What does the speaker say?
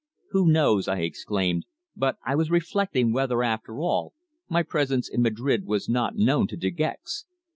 "Who knows?" I exclaimed, but I was reflecting whether, after all, my presence in Madrid was not known to De Gex.